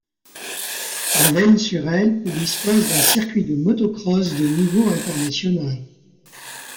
Avesnes-sur-Helpe dispose d'un circuit de motocross de niveau international.